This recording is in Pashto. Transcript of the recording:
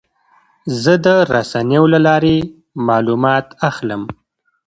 زه د رسنیو له لارې معلومات اخلم.